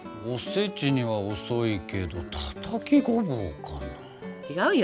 おせちには遅いけどたたきごぼうかな？